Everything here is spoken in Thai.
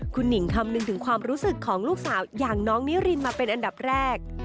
คุณหนิ่งคำนึงถึงความรู้สึกของลูกสาวอย่างน้องนิรินมาเป็นอันดับแรก